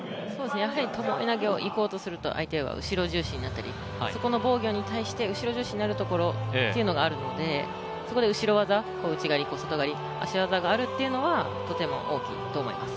やはりともえ投げにいこうとすると、相手は後ろ重心になったり、そこの防御に対して後ろ重心になるところがあるのでそこで後ろ技、小内刈り、小外刈り、足技があるというのは大きいと思います。